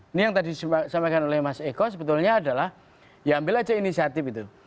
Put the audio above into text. ini yang tadi disampaikan oleh mas eko sebetulnya adalah ya ambil aja inisiatif itu